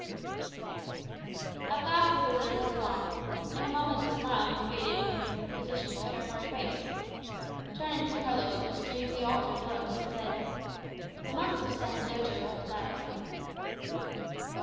At last the visitor was gone. In a moment the smile had faded from the physician's care worn face. Turning to Carlos with a strangely altered look, he said, "The monks of San Isodro have fled."